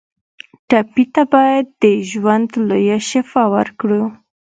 ټپي ته باید د ژوند لویه شفا ورکړو.